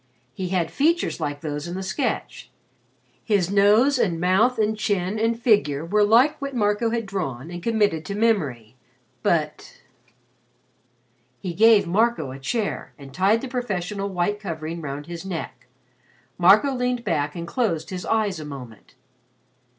He had features like those in the sketch his nose and mouth and chin and figure were like what Marco had drawn and committed to memory. But He gave Marco a chair and tied the professional white covering around his neck. Marco leaned back and closed his eyes a moment.